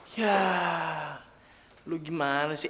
ya lu gimana sih